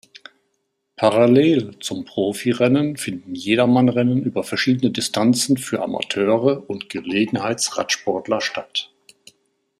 Parallel zum Profirennen finden "Jedermann-Rennen" über verschiedene Distanzen für Amateure und Gelegenheits-Radsportler statt.